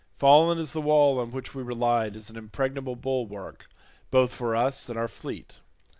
Fallen is the wall on which we relied as an impregnable bulwark both for us and our fleet.